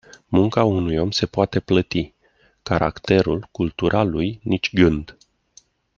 Munca unui om se poate plăti. Caracterul, cultura lui, nici gând.